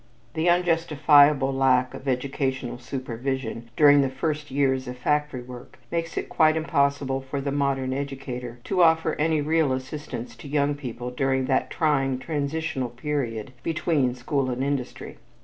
The unjustifiable lack of educational supervision during the first years of factory work makes it quite impossible for the modern educator to offer any real assistance to young people during that trying transitional period between school and industry.